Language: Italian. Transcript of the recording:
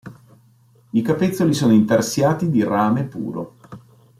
I capezzoli sono intarsiati di rame puro.